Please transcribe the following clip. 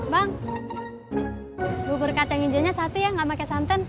bang bubur kacang ijonya satu ya enggak pakai santan